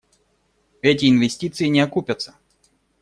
Эти инвестиции не окупятся.